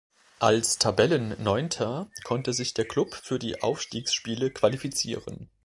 Als Tabellenneunter konnte sich der Klub für die Aufstiegsspiele qualifizieren.